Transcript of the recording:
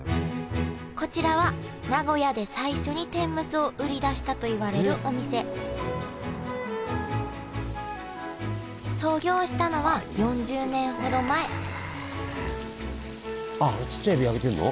こちらは名古屋で最初に天むすを売り出したといわれるお店創業したのは４０年ほど前あっあのちっちゃいエビ揚げてんの？